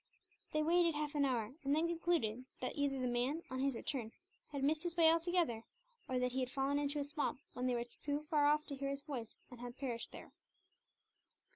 They waited half an hour, and then concluded that either the man, on his return, had missed his way altogether; or that he had fallen into a swamp, when they were too far off to hear his voice, and had perished there.